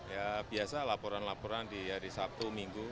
ya biasa laporan laporan di hari sabtu minggu